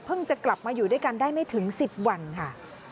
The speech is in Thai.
จะกลับมาอยู่ด้วยกันได้ไม่ถึง๑๐วันค่ะ